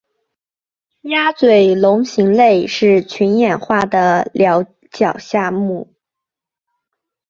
鸭嘴龙形类是群衍化的鸟脚下目。